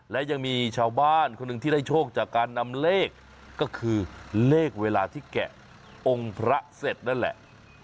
และยังมีชาวบ้านคนหนึ่งที่ได้โชคจากการนำเลขก็คือเลขเวลาที่แกะองค์พระเสร็จนั่นแหละ